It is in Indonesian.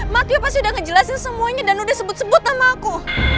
ma tia pasti udah ngejelasin semuanya dan udah sebut sebut nama aku